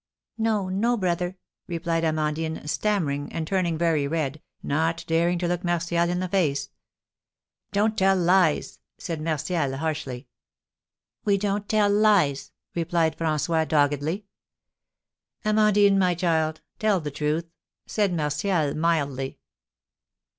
"No, no, brother," replied Amandine, stammering, and turning very red, not daring to look Martial in the face. "Don't tell lies," said Martial, harshly. "We don't tell lies," replied François, doggedly. "Amandine, my child, tell the truth," said Martial, mildly.